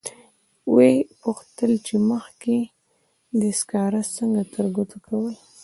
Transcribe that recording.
و یې پوښتل چې مخکې دې سکاره څنګه ترګوتو کول.